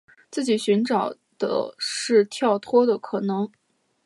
自己寻找的是跳脱的可能